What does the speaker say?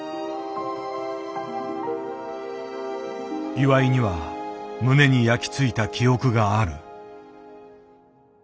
岩井には胸に焼き付いた記憶がある。